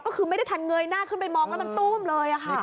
ก็คือไม่ได้ทันเงยหน้าขึ้นไปมองแล้วมันตู้มเลยค่ะ